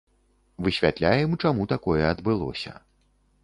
Высвятляем, чаму такое адбылося.